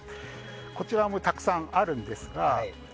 こちらもたくさんあるんですが。